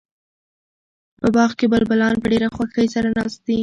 په باغ کې بلبلان په ډېره خوښۍ سره ناست دي.